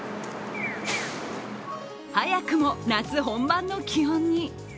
早くも夏本番の気温に。